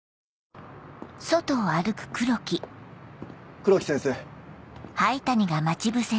黒木先生。